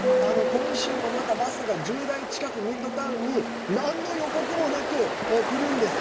今週も、またバスが１０台近くミッドタウンになんの予告もなくくるんです。